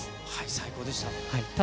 最高でした。